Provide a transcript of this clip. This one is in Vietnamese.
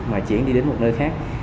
mà chuyển đi đến một nơi khác